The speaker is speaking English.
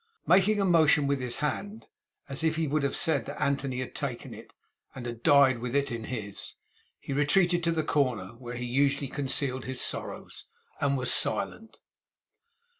Making a motion with his hand, as if he would have said that Anthony had taken it, and had died with it in his, he retreated to the corner where he usually concealed his sorrows; and was silent.